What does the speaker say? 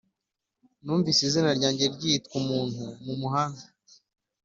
numvise izina ryanjye ryitwa umuntu mumuhanda.